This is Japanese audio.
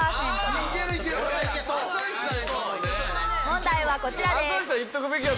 問題はこちらです。